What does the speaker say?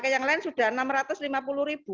yang lain sudah rp enam ratus lima puluh